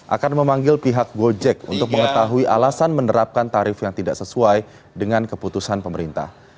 akan memanggil pihak gojek untuk mengetahui alasan menerapkan tarif yang tidak sesuai dengan keputusan pemerintah